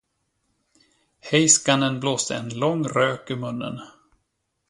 Heiskanen blåste en lång rök ur munnen.